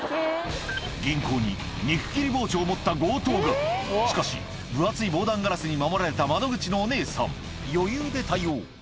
銀行に肉切り包丁を持った強盗がしかし分厚い防弾ガラスに守られた窓口のお姉さん余裕で対応